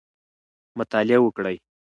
مطالعه وکړئ.